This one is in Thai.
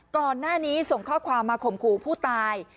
ก่อนหน้านี้ส่งข้อความมาข่มขู่ผู้ตาย